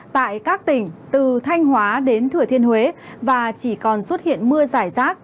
tại các tỉnh từ thanh hóa đến thừa thiên huế và chỉ còn xuất hiện mưa giải rác